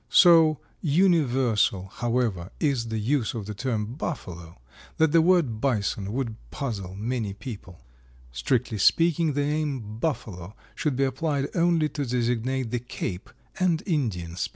So universal, however, is the use of the term Buffalo that the word Bison would puzzle many people. Strictly speaking, the name buffalo should be applied only to designate the Cape and Indian species.